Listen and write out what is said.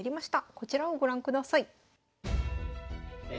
こちらをご覧ください。